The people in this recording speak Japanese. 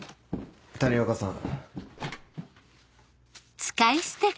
谷岡さん。